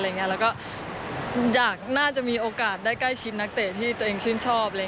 แล้วก็อยากน่าจะมีโอกาสได้ใกล้ชิดนักเตะที่ตัวเองชื่นชอบ